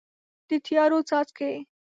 د تیارو څاڅکي